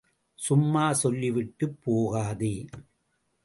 சும்மா சொல்லி விட்டுப் போகாதே.